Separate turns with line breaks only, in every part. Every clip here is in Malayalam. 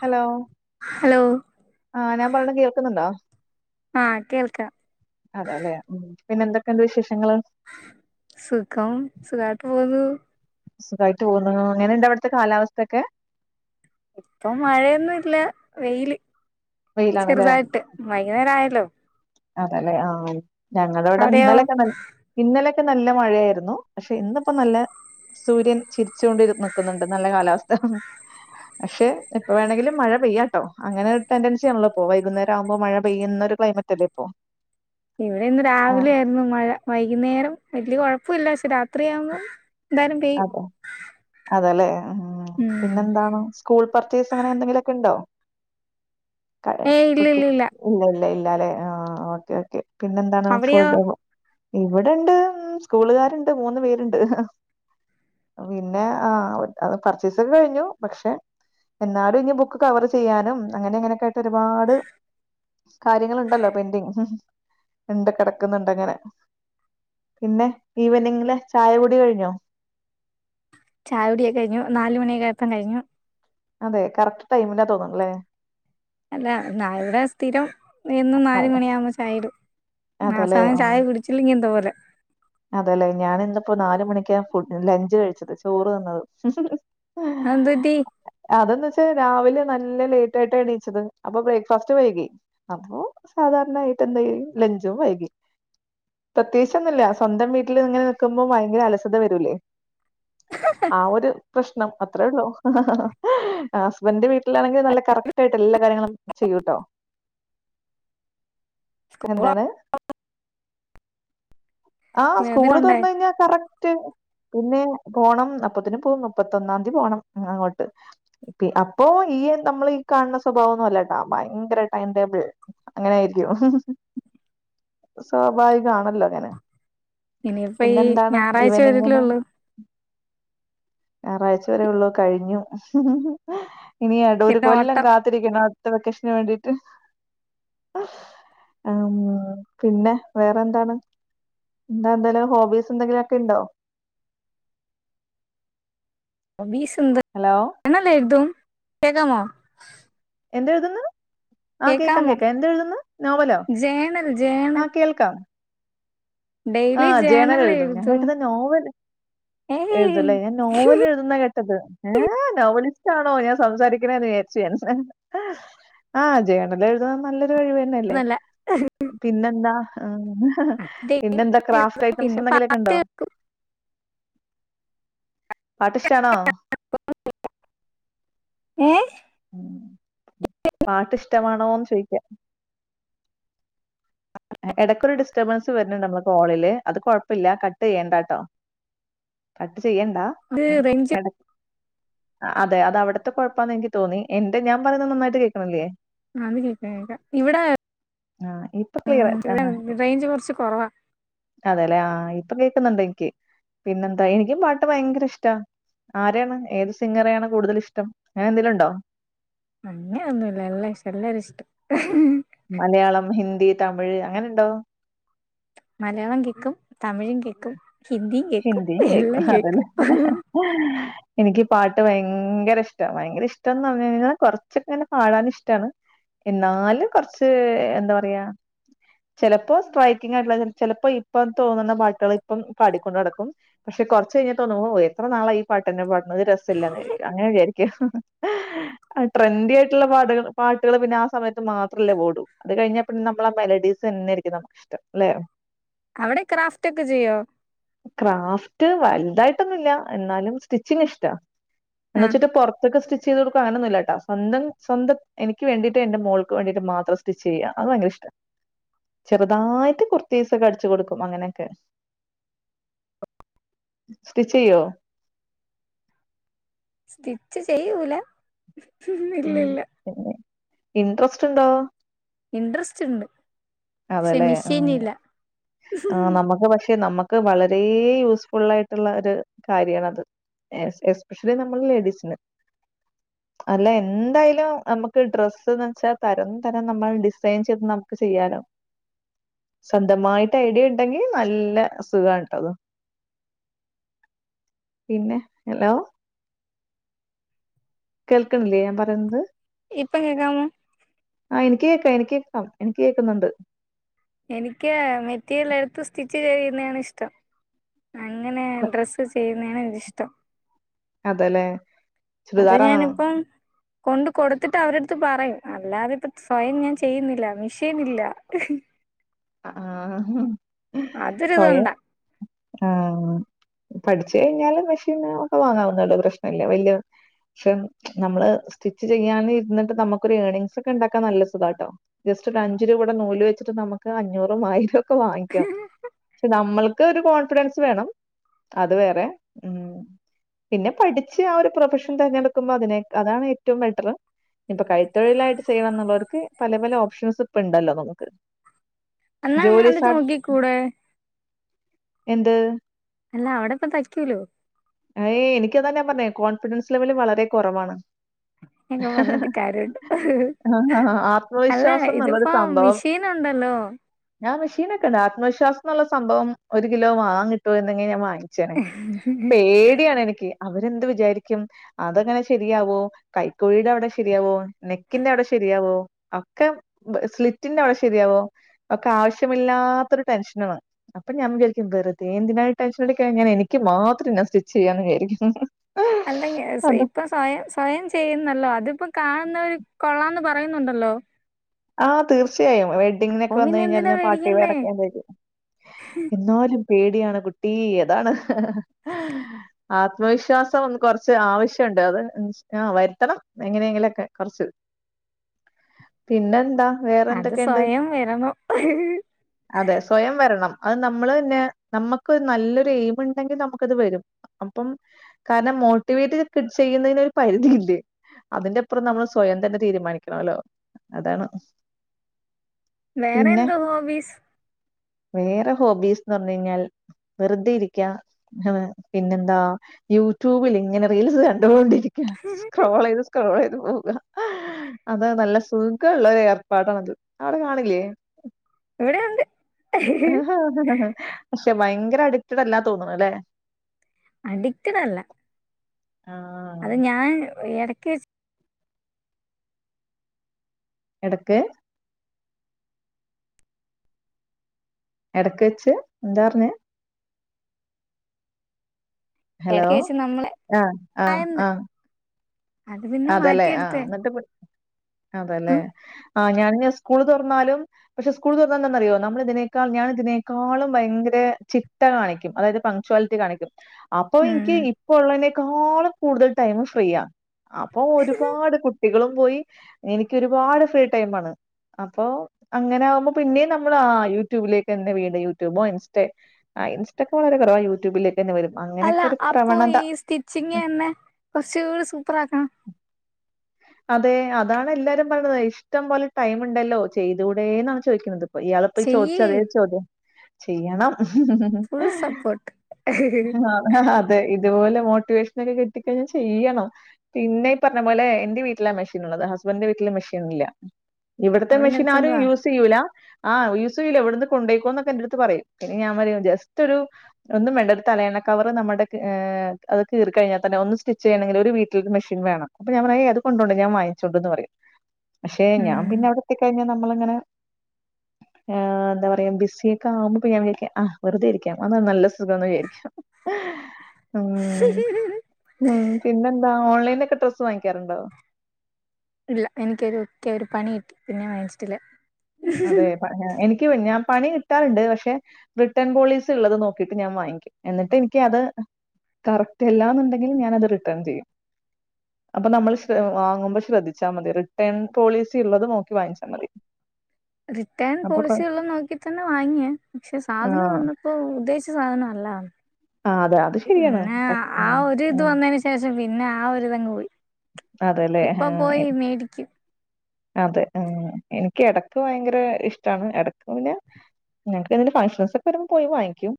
ഹലോ-
ഹലോ
ആഹ് ഞാൻ പറയണ കേൾക്കുന്നുണ്ടോ?
ആഹ് കേൾക്ക-
പിന്നെന്തെക്കെണ്ട് വിശേഷ്
സുഖം സുഖായിട്ട് പോന്നു
സുഖായിട്ട് പോവുന്നു എങ്ങനെണ്ട് അവിടുത്തെ കാലാവസ്ഥെക്കെ?
ഇപ്പൊ മഴയൊന്നുംല്ല വെയില്
വെയിലാണല്ലേ
ചെറുതായിട്ട് വൈകുന്നേര ആയല്ലോ?
അതേല്ലെ ആ ഞങ്ങളോട്
അവിടെയോ
ഇന്നലെക്കെ ന്ന ഇന്നലെ നല്ല മഴയായിരുന്നു പക്ഷെ ഇന്നിപ്പോ നല്ല സൂര്യൻ ചിരിച്ചുകൊണ്ട് ഇര് നിക്കുന്നുണ്ട് നല്ല കാലാവസ്ഥ പക്ഷെ എപ്പൊ വേണമെങ്കിലും മഴ പെയ്യ ട്ടോ അങ്ങനെ ടെന്റൻസി ആ ഉള്ള പ്പോ വൈകുന്നേര ആവുമ്പോ മഴ പെയ്യുന്നൊരു ക്ലൈമറ്റ് അല്ലേ? പ്പോ
ഇവിടെ ഇന്ന് രാവിലെ ആയിരുന്നു മഴ വൈകുന്നേരം വല്യ കൊഴ പ്പല്ല ക്ഷേ രാത്രിയാവുമ്പോ എന്തായാലും പെയ്യും
അതല്ലെ ആ
ഉം
പിന്നെന്താണു സ്കൂൾ പർച്ചയ്സ് അങ്ങനെ എന്തെങ്കിലക്കെ ഉണ്ടോ? കട
ഏയ് ഇല്ല
കുട്ടി
ഇല്ല
ഇല്ല ല്ല താലെ ആ ഓക്കെ ഓക്കേ പിന്നെന്താണ്
അവിടെയോ
ഫുഡ് ഇവിടെണ്ട് സ്കൂളുകാര്ണ്ട് മൂന്ന് പേരുണ്ട്. പിന്നെ ആ അത് പർച്ചേസ് ഒക്കെ കഴിഞ്ഞു പക്ഷെ എന്നാലും ഇനി ബുക്ക് കവർ ചെയ്യാനും അങ്ങനെ എങ്ങനെയൊക്കെ- ഒരുപാട് കാര്യങ്ങുണ്ടല്ലോ പെന്റങ് ഉ ഉണ്ട് കിടക്കുന്നുണ്ട് അങ്ങനെ പിന്നെ ഈവനിങ്ങില് ചായ കുടി കഴിഞ്ഞോ
ചായ കുടിയൊക്ക കഴിഞ്ഞു നാലുമണയൊ എപ്പം കഴിഞ്ഞു
അതെ കറക്റ്റ് ടൈമന്റൊ തോന്നല്ലേ
അല്ല എന്ന ഇവിടെ സ്ഥിരം എന്നന്ന് നാല
അതെ
മണിയ ആകുമ്പോ ചായ ഇടും ആ സമയം ചായ പിടിച്ചില്ലെങ്കി എന്താ പോലെ
അതെല്ലേ ഞാന ഇന്നിപ്പോ നാല മണിക്ക ഫു് ലഞ്ച് കഴിച്ചത് ചോറ് നിന്നത്
അതെന്ത് പറ്റി
അതെന്ന വച്ചാ രാവിലെ നല്ല ലേറ്റ് ആയിട്ടാ എണീച്ചത് അ ബ്രേക്ക്ഫാസ്റ്റ് വൈകി അപ്പോ സാധാരണട്ട് എന്ത ലഞ്ച വൈകി പ് സ്വന്തം വീട്ടിൽ ഇങ്ങനെ നിക്കുമ്പോൾ ഭയങ്കര അലസത വരൂല്ലേ ആ ഒരു പ്രശ്നം അത്രേ ഉള്ള് ഹസ്ബൻഡന്റെ വീട്ടിലാണെങ്കിൽ നല്ല കറക്റ്റ് ആയിട്ട് എല്ലാ കാര്യങ്ങളും ചെയ്യൂട്ടോ എന്താണ് ആഹ്
വെറുതെ
സ്കൂള്
കൊണ്ടേ
തുറന്ന കഴിഞ്ഞാ കറക്റ്റ് പിന്നെ പോണം അപ്പത്തിന് പോവും മുപ്പത്തൊന്നാം തീയതി പോകണം അങ്ങോട്ട് അപ്പൊ ഈ നമ്മൾ ഈ കാണുന്ന സ്വഭാവം ഒന്നുംല്ലട്ടാ ഭയങ്കര ടൈം ടേബിൾ അങ്ങനൊയിരിക്കും സ്വാഭാവികമാണല്ലോ അങ്ങനെ
ഇനിയിപ്പ ഈ
പിന്നെന്താണ്
ഞായറാഴ്ച
ഇവനിങ്ങനെ
വരില്ലേള്ളൂ
ഞായറാഴ്ച വരെ ഉള്ളൂ കഴിഞ്ഞു ഹ്ഹ്ഹ് ഇനിയ കേട്ടോ ഒരു
പിന്നെ
കൊല്ലം
ഓട്ടം
കാത്തിരിക്കണം അടുത്ത വെക്കേഷന് വേണ്ടിട്ട് ഉ പിന്നെ വേറെ എന്താണ് എന്താ എന്തായാലും ഹോബീസ് എന്തെങ്കിലുമൊക്കെ ഉണ്ടോ
ബീസ്
ഹലോ
[unintelligible] കേക്കാമോ
എന്താ എഴുതന്ന് ആഹ കേക്കാം
കേക്കാമോ
കേക്കാം എന്ത് എഴുതുന്നു നോവലോ
ജേണൽ ജേണൽ
ആഹ കേൾക്കാം ആഹ ജേണൽ എഴുതും ഞാൻ കേട്ടുന്ന നോവൽ
ഏയ്
എഴുതും അല്ലേ ഞാൻ നോവൽ എഴുതുന്ന കേ ഏ നോവലിസ്റ്റ് ആണോ ഞാൻ സംസാരിക്കണന്ന് വിാരിച്ച ആ ജയണല്ല എഴുതാൻ നല്ല തന്നല്ലേ
ഒന്നല്ല
പിന്നെന്താ ആ ഉ
ഡെയിലി
പിന്നെന്താ ക്രാഫ്റ്റ് ഐറ്റംസ്
പിന്നെ
എന്തെങ്കിലുമൊക്കെ
പാട്ട്
ഉണ്ടോ
കേൾക്കും
പാട്ട്ഷ്ടാണോ
ഹേയ്
പാട്ട് ഇഷ് ഇഷ്ടമാണോന്ന് ചോദിക്കാം ഇടക്കൊരു ഡിസ്റ്റർബൻസ് വരുന്നുണ്ട് നമ്മക്ക് ഹോളില് അത് കൊഴപ്പമില്ല കട്ട് ചെയ്യേണ്ടട്ടോ ക് ചെയ്യണ്ടാ
ഇത് റേഞ്ച്
എട അതെ അത അവിടുത്തെ കൊഴപ്പാന്ന് എനിക്ക് തോന്നി എന്റെ ഞാൻ പറയുന്ന നന്നായിട്ട് കേൾക്കണില്ലേ
അത് കേക്കാ കേക്കാ ഇവിടെ
ആഹ് ഇപ്പൊ ക്ലിയർ
ഉം, ഇവിടെ റേഞ്ച് കുറച്ച് കുറവാ
അതെല്ലെ ആ ഇപ്പൊ കേക്കുന്നുണ്ടെനിക്ക് പിന്നെന്താ എനിക്കും പാട്ട് ഭയങ്കര ഇഷ്ടാ ആരെയാണ് ഏത് സിംഗറെ യാണ് കൂടുതൽ ഇഷ്ടം അങ്ങനെ എന്തേലും ഉണ്ടോ
അങ്ങനൊന്നുല്ല എല്ലാ ഇഷ്ടം എല്ലാരും ഇഷ്ടം
മലയാളം ഹിന്ദി തമിഴ് അങ്ങനുണ്ടോ
മലയാളം കേക്കും തമിഴും കേക്കും
ഹിന്ദീം കേക്കും ഹ അതന്ന ഹ ഹ ഹാ എനിക്ക് പാട്ട് ഭയങ്കര ഇഷ്ടാ ഭയങ്കര ഇഷ്ടംന്ന് പറഞ്ഞഴിഞ്ഞാൽ കുറച്ചൊക്കങ്ങനെ പാടൻ ഇഷ്ടാണ് എന്നാല് കൊറച്ച് എ എന്താ പറയാ ചെലപ്പോ സ്ട്രൈക്കിങ് ആയിട്ടുള്ളത് ചെല ചെലപ്പോ ഇപ്പം തോന്നുന്ന പാട്ടുകൾ ഇപ്പം ഉം പാടും ഇപ്പ നടക്കും പക്ഷെ കൊറച്ച് കഴിഞ്ഞാ തോന്നും ഓ എത്രാ നാളാ ഈ പാട്ട്ന്നെ പാ അത് രസമല്ലന്ന് വിചാരിക്കും അങ്ങനെ വിചാരിക്കോയ് ഹ ഹ ഹ്‌ഹാ ആ ട്രെൻഡി ആയിട്ടുള്ള പാട്ടുകള് പാട്ടുകൾ പിന്നെ ആ സമയത്ത് മാത്രല്ലേ ഓടൂ അത് കഴിഞ്ഞാ പിന്ന നമ്മളാ മെലഡീസ് തന്നൊയിരിക്കും നമുക്ക് ഇഷ്ടം അല്ലെ
അവിടെ ക്രാഫ്റ്റ് ഒക്കെ ചെയ്യോ
ക്രാഫ്റ്റ് വലുതായിട്ടൊന്നുല്ല എന്നാലും സ്റ്റിച്ചിങ്ങ് ഇഷ്ടാ
ആ
എന്നച്ചിട്ട് പൊറത്ത്ക്ക് സ്റ്റിച്ചിയ്ത് കൊടുക്ക ഇപ്പ അങ്ങനൊന്നുല്ലാട്ടാ സ്വന്തം സ്വന്തത്ത് എനിക്ക് വേണ്ടിട്ട് എന്റെ മോൾക്ക് വേണ്ടിട്ട് മാത്രം സ്റ്റിച്ച് ചെയ്യാ അത് ഭയങ്കര ഇഷ്ടാ ചെറുതായിട്ട് കുർത്തീസ് ഒക്കെ അടിച്ചു കൊടുക്കും അങ്ങനെയൊക്കെ സ്റ്റിച്ച് ചെയ്യോ
സ്റ്റിച്ച് ചെയ്യൂല്ല
ഉം അങ്ങനെ ഇൻട്രസ്റ്റ് ഉണ്ടോ
ഇൻട്രസ്റ്റ് ഇണ്ട്
അതേല്ലേ ഉം ആ നമ്മക്ക് പക്ഷെ നമ്മ ക്ക് വളരെ യൂസ്ഫുൾ ആയിട്ടുള്ള ഒരു കാര്യാണത് എസ്പെഷ്യലി നമ്മൾ ലേഡീസിന് അല്ല എന്തായാലും നമുക്ക് ഡ്രെസ്സ്ന്ന് വെച്ചാൽ തരം തരം നമ്മൾ ഡിസൈൻ ചെയ്ത് നമുക്ക് ചെയ്യാലോ സ്വന്തമായിട്ട് ഐഡിയ ഇണ്ടെങ്കി നല്ല സുഖാൺട്ടോ അത് പിന്നെ ഹലോ കേൾക്കണില്ലേ എന്താ പറയുന്നത്
ഇപ്പം കേക്കാമോ
ആ എനിക്ക് കേക്കാം എനിക്ക് കേക്കാം എനിക്ക് കേക്കുന്നുണ്ട്
എനിക്ക് മെറ്റീരിയൽ എടുത്ത് സ്റ്റിച്ച് ചെയ്യുന്നേണ് ഇഷ്ടം അങ്ങനെ ഡ്രസ്സ് ചെയ് അങ്ങനെയാണ് എനിക്ക് ഇഷ്ടം
അതേല്ലേ
അത് ഞാനിപ്പം കൊണ്ട് കൊടുത്തിട്ട് അവരടടുത്ത് പറയും അല്ലാതെ ഇപ്പൊ സ്വയം ഞാൻ ചെയ്യുന്നില്ല മിഷേനില്ല
അ ആ ഹാ ഹും ഹ് സ്വയം
അതൊരിതുണ്ടാ
ആ പഠിച്ചു കഴിഞ്ഞാല് മെഷീൻ ഒക്കെ വാങ്ങാവുന്നോള്ളൂ പ്രശ്നുല്ല വല്യ ക്ഷെ നമ്മള് സ്റ്റിച്ച് ചെയ്യാൻ ഇരുന്നിട്ട് നമുക്കൊര് ഏണിങ്സ് ഒക്കെ ഉണ്ടാക്കാൻ നല്ല സുഖാട്ടോ ജസ്റ്റ് ഒരു അഞ്ച് രൂപേടെ നൂല് വെച്ചിട്ട് നമുക്ക് അഞ്ഞൂറും ആയിരോ ക്കെ വാങ്ങിക്കാം ക്ഷേ നമ്മൾ ക്ക ഒരു കോൺഫിഡൻസ് വേണം അത് വേറെ ഊം പിന്നെ പഠിച്ച് ആ ഒരു പ്രൊഫഷൻ തിരഞ്ഞെടുക്കുമ്പോ അതിനെക്ക അതാണ് ഏറ്റവും ബെറ്ററ് ഇപ്പൊ കൈത്തൊഴിലായിട്ട് ചെയ്യണം എന്നുള്ളവർക്ക് പല പല ഓപ്ഷൻസ് ഇപ്പ ഉണ്ടല്ലോ നമുക്ക് ജോലി സാ
[unintelligible]
എന്ത്
അല്ല അവടപ്പം തയ്ക്കൂലോ
ക്ക്താ ഞാൻ പറഞ്ഞേ കോൺഫിഡൻസ് ലെവല് വളരെ കൊറവാണ്
എന്നോട് പറഞ്ഞിട്ട് കാര്യമില്ല.
ആഹ്
അല്ല
ആത്മവിശ്വാസം എന്നുള്ളൊരു
ഇത്പ്പം
സംഭവം
മിഷീന്ണ്ട്
ഞാൻ മിഷീനോക്കെണ്ട് ആത്മവിശ്വാസ ന്നുള്ള സംഭവം ഒരു കിലോ വാങ്ങാൻ കിട്ടോ ഇണ്ടെങ്കി ഞാൻ വാങ്ങി അച്ഛനെ പേടിയാണെനിക്ക് അവരെന്ത് വിചാരിക്കും അതങ്ങനെ ശെരിയാവോ കൈക്കുഴിടെ അവടെ ശെരിയാവോ നെക്കിന്റെ അവടെ ശെരിയാവോ ഒക്കെ ബ് സ്ലിറ്റിന്റെ അവടെ ശെരിയാവോ ഒക്കെ ആവശ്യമില്ലാത്തൊര് ടെൻഷനാണ്. അപ്പൊ ഞാൻ വിചാരിക്കും വെറുതെ എന്തിനായി ടെൻഷൻ എട്ക്കണേ ഞാൻ എനിക്ക് മാത്രം ഞാൻ സ്റ്റിച്ച് ചെയ്യാന്ന് വിചാരിക്കും
എല്ലും
അത
ക്യാൻസയ് ഇപ്പൊ സ്വയം സ്വയം ചെയ്യുന്നല്ലോ അതിപ്പോ കാ ണുന്നവര് കൊള്ളാന്ന് പറയുന്നുണ്ടല്ലോ
ആഹ് തീർച്ച യായും വെഡ്ഡിങ്ങിനൊക്കെ
അപ്പൊ
വന്ന്
പിന്നെ
കഴിഞ്ഞാൽ
എന്തിനാ
ഞാൻ പാർട്ടി
പേടിക്കണ്ടേ
വെയ്റൊക്ക ഇടല് എന്നാലും പേടിയാണ് കുട്ടി അതാണ് ആത്മവിശ്വാസം ഒന്ന് കൊറച്ച് ആവശ്യണ്ട്. അത് ആഹ് വര്ത്തണം എങ്ങനെങ്കിലൊക്കെ കൊറച്ച് പിന്നെന്താ വേറെ
അത്
എന്തൊക്കെണ്ട്
സ്വയം വരണം
അതെ സ്വയം വരണം അത് നമ്മള് തന്നെ നമ്മക്കൊരു നല്ലൊരു എയിംമ്ണ്ടെങ്കി നമ്മക്കത് വരും അപ്പം കാരണം മോട്ടിവേറ്റ് ചെയ്യുന്നതിനൊരു പരിധിയില്ലേ അതിന്റെപ്പറം നമ്മള് സ്വയം തന്നെ തീരുമാനി ക്കാലോ അതാണ്
വേറെ
പിന്നെ
എന്തോ ഹോബീസ്
വേറെ ഹോബീസ്ന്ന് പറഞ്ഞ് കഴിഞ്ഞാൽ വെറുതെ ഇരിക്ക ഏ പിന്നെന്താ യൂട്യൂബിലിങ്ങനെ റീൽസ് കണ്ടോണ്ടിരി രിക്ക സ്ക്രോളൈതു സ്ക്രോളൈതു പോകാ അതാ നല്ല സുഖള്ളരു ഏർപ്പാടാണത് അവടെ കാണില്ലേ
ഇവിടെയുണ്ട്
റ്റെ ഭയങ്കര അഡിക്റ്റഡ് അല്ലാ തോന്നണ്ല്ലേ
അഡിക്റ്റഡ് അല്ല
ആഹ്
അത് ഞാൻ എട ക്കീസ്
എടക്ക് എടക്ക് വെച്ച് എന്താ പറ്ഞ്ഞേ ഹലോ
ഇടക്ക് വെച്ച് നമ്മളെ
ആഹ് ആഹ്
ആയെന്ന്
ആഹ്
അത് പിന്നെ
അതല്ലെ ആഹ
മാറ്റിയെടുത്തേ
എന്നിട്ട് അതല്ലെ ആ ഞാൻ സ്കൂള് തുറന്നാലും പക്ഷെ സ്കൂൾ തുറന്നാ എന്താന്നറിയോ നമ്മള ഇതിനേക്കാൾ ഞാൻ ഇതിനോളും ഭയങ്കര ചിട്ട കാണിക്കും അതായത് പംഗക്ച്വാലിറ്റി കാണിക്കും അപ്പൊ
ഉം
എനിക്ക് ഇപ്പ ഉള്ളനെ എക്കാളം കൂടുതൽ ടൈമ ഫ്രീയ അപ്പൊ ഒരുപാട് കുട്ട- കുട്ടികളും പോയി എനിക്ക് ഒരുപാട് ഫ്രീ ടൈംമാണ് അപ്പൊ അങ്ങനെ ആകുമ്പോ പിന്നേ നമ്മൾ ആ യൂട്യൂബിലേക്ക് തന്നെ വീണ്ട യൂട്യൂബോ ഇൻസ്റ്റ ഇൻസ്റ്റ ഒക്കെ വളരെ കുറവാ യൂട്യൂബില
അല്ല അപ്പൊ ഈ സ്റ്റിച്ചിങ് തന്നെ കൊറച്ചൂടെ സൂപ്പർ ആക്കണം
അതെ അതാണ് എല്ലാരും പറഞ്ഞത് ഇഷ്ടം പോലെ ടൈം ഉണ്ടല്ലോ ചെയ്തുകൂടെ എന്നാണ് ചോദിക്കുന്നത് ഇയാളെ പോയി ചോദിച്ച
ചെയ്യ്
അതേ ചോദ്യം ചെയ്യണം
ഫുൾ സപ്പോർട്ട്
ആ അതെ ഇ ഇതുപോലെ മോട്ടിവേഷന ഒക്കെ കെട്ടിക്കഴിഞ്ഞാ ചെയ്യണം പിന്നെ ഈ പറഞ്ഞ പോലെ എന്റെ വീട്ടിലെ മെഷീൻ ഉള്ളത് ഹസ്ബൻ്റിൻ്റെ വീട്ടില് മെഷീൻ ഇല്ല ഇവിടത്തെ
അവിടുന്ന്
മെഷീൻ
എടുത്തോണ്ട്
ആരും
വാ
യൂസ് ചെയ്യൂല ആ ഉസൂ ഇല്ല എവിടെന്ന് കൊണ്ടോയ്ക്കോ എന്നൊക്കെ എറ അടു പറയും പിന്നെ ഞാൻ പറയും ജസ്റ്റ് ഒരു ഒന്നും വേണ്ട ഒരു തലയണ കവ നമ്മുടെ അത് കീ കഴിഞ്ഞാൽന്നെ ഒന്ന് സ്റ്റിച്ച് ചെയ്യണെങ്കിൽ ഒരു വീട്ടിൽരു മെഷീൻ വേണം അപ്പൊ ഞാൻ പറയാ അത് കൊണ്ടണ്ട് ഞാൻ വാങ്ങിച്ചോണ്ടന്ന് പറയായും പക്ഷെ ഞാൻ
ഉം
പിന്നെ അവിടത്തെ കഴിഞ്ഞൽ നമ്മളിങ്ങനെ ആ എന്താ പറയാ ബിസിയ ഒക്കെ ആവുമ്പോ ഞാ വിജാക്കാം ആ വെറുത ഇരിക്കാം അ നല്ല എന്നാ പിന്നെന്താ ഓൺലൈ ഡ്രസ്സ് വാങ്ങിക്കാറുണ്ടോ
ഇല്ല എനിക്കൊരു ഒക്കെ ഒരു പണി കിട്ടി പിന്നെ വേങ്ങിച്ചിട്ടില്ലേ
അതെ എനിക്ക് ഞാൻ- പണി കിട്ടാറുണ്ട് പക്ഷെ റിട്ടേൺ പോളിസി ഉള്ളത് നോക്കിട്ട് ഞാൻ വാങ്ങിക്കും എന്നിട്ട് എനിക്ക് അത് കറക്റ്റ് അല്ലാന്നുണ്ടെങ്കിൽ ഞാൻത് റിട്ടേൺ ചെയ്യും അപ്പൊ നമ്മൾ ശ വാങ്ങുമ്പോൾ ശ്രദ്ധിച്ചാൽ മതി റിട്ടേൺ പോളിസി ഉള്ളത് നോക്കി വാങ്ങിച്ചാൽ മതി
റിട്ടേൺ
അപ്പൊ കൊ
പോളിസി ഉള്ളത് നോക്കി തന്നെ വാങ്ങിയ പക്ഷെ സാധനം
ആഹ്
വന്നപ്പോ ഉദ്ദേശിച്ച- സാധനം അല്ല
ആ അതെ അത് ശരിയാണ്
പിന്നെ ആ ഒരു ഇത് വന്നതിന് ശേഷം പിന്നെ ആ ഒരുരിതങ് പോയി
അതല്ലേ
ഇപ്പൊ പോയി മേടിക്കും
ആഹ അതെ എനിക്ക് ഇടക്ക് ഭയങ്കര ഇഷ്ടമാണ് ഇടക്ക് പിന്നെ ഞങ്ങക്ക് എ ഫംഗഷൻസ് ഒക്കെ വരുമ്പോൾ പോയി വാങ്ങിക്കും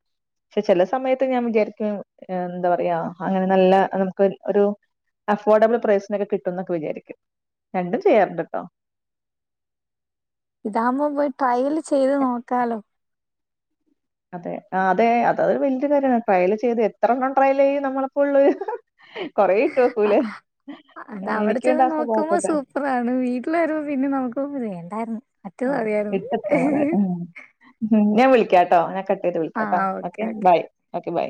പക്ഷെ ചില സമയത്ത് ഞാൻ വിചാരിക്കും എന്താ പറയാ അങ്ങനെ നല്ല നമുക്ക് ഒരു അഫോർഡബിൾ പ്രൈസിനൊക്കെ കിട്ടും എന്നൊക്കെ വിചാരിക്കും രണ്ടും ചെയ്യാറുണ്ട് കേട്ടോ
ഇതാകുമ്പോ പോയി ട്രയൽ ചെയ്ത് നോക്കാലോ
അതെ അതെ അതരു വല്യാ കാര്യമാണ് ട്രയല് ചെയ്ത് എത്രെണ്ണം ട്രയൽ ചെയ്യ നമ്മളപ്പോ ഉള്ളൂ
ആ എന്താ അവിടെ ചെന്ന്
എനിക്കുണ്ട് ആ
നോക്കുമ്പോ
സ്വഭാവക്കട്ടെ
സൂപ്പറ ആണ് വീട്ടിൽ വരുമ്പോ പിന്നെ നോക്കുമ്പ വേണ്ടായിരുന്നു മറ്റേത് മതിയായിരുന്നു
അട്ട ഞാൻ വിളിക്കാ ട്ടോ ഞാ വൈകിട്ട് വിളിക്കാട്ടോ ഓക്കെ ബൈ ഓക്കേ ബൈ